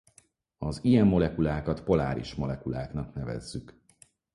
Az ilyen molekulákat poláris molekuláknak nevezzük.